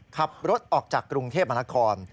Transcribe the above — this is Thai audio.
ขับรถออกจากกรุงเทพมนาคม